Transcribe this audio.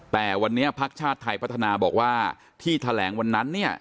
แต่วันนี้ภาคชาติไทยพัฒนาบอกว่าที่แถลงวันนั้น